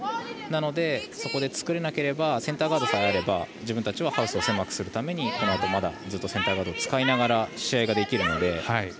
なので、そこで作れなければセンターガードがあれば自分たちはハウスを狭くするためにセンターガード使いながら試合ができるので。